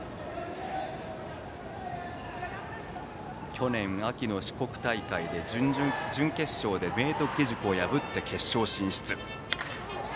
去年秋の四国大会で準決勝で明徳義塾を破り決勝進出。